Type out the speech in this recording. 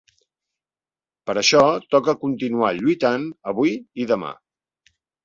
Per això toca continuar lluitant avui i demà.